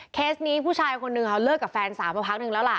เคสนี้ผู้ชายคนนึงเขาเลิกกับแฟนสาวมาพักนึงแล้วล่ะ